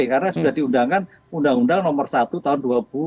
karena sudah diundangkan undang undang nomor satu tahun dua ribu dua puluh tiga